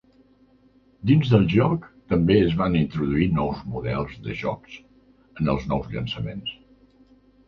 Dins del joc, també es van introduir nous modes de joc en els nous llançaments.